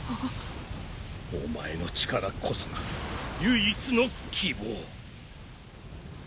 お前の力こそが唯一の希望。